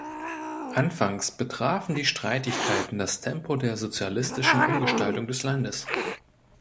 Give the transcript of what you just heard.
Anfangs betrafen die Streitigkeiten das Tempo der sozialistischen Umgestaltung des Landes.